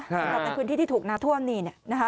สำหรับในพื้นที่ที่ถูกน้ำท่วมนี่